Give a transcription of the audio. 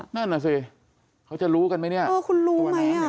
นั่นน่ะสิเขาจะรู้กันไหมเนี่ยเออคุณรู้ไหมอ่ะ